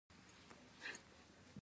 افغانستان یو مرکزي اداري سیستم لري